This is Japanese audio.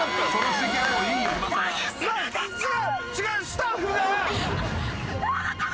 スタッフが。